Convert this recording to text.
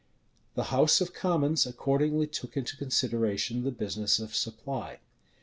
The house of commons accordingly took into consideration the business of supply.